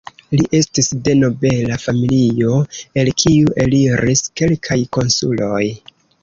Li estis de nobela familio el kiu eliris kelkaj konsuloj.